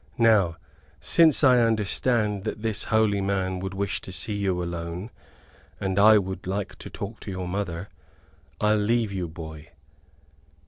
Now, since I understand that this holy man would wish to see you alone, and I would like to talk with your mother, I'll leave you, boy.